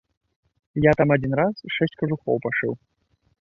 Я там адзін раз шэсць кажухоў пашыў.